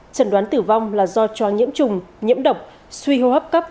trần đoán tử vong là do cho nhiễm trùng nhiễm độc suy hô hấp cấp